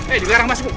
eh dilarang masuk